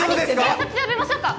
警察呼びましょうか？